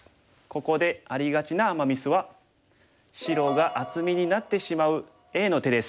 ここでありがちなアマ・ミスは白が厚みになってしまうＡの手です。